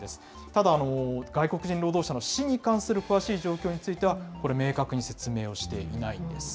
ただ、外国人労働者の死に関する詳しい状況については、これ、明確に説明をしていないんです。